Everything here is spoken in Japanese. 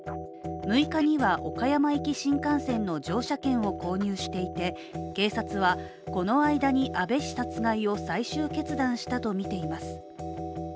６日には岡山行き新幹線の乗車券を購入していて警察は、この間に安倍氏殺害を最終決断したとみています。